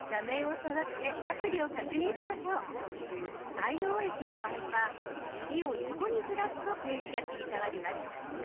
ｉＯＳの場合は指を横にずらすとページが切り替わります。